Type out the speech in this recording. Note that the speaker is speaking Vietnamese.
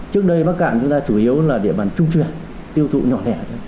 trước đây bắc cạn chúng ta chủ yếu là địa bàn trung truyền tiêu thụ nhỏ lẻ